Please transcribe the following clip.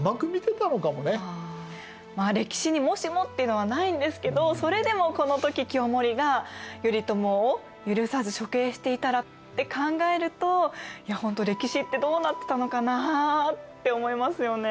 まあ歴史にもしもっていうのはないんですけどそれでもこの時清盛が頼朝を許さず処刑していたらって考えるといやほんと歴史ってどうなってたのかなあって思いますよね。